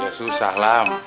ya susah lam